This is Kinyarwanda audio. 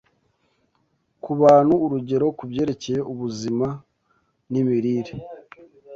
kubantu urugero kubyerekeye ubuzima nimirire